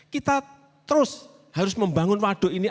kita terus harus membangun waduk ini